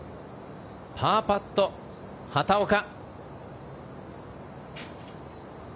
パーパット、畑岡。